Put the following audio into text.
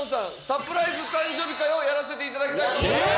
サプライズ誕生日会をやらせて頂きたいと思います！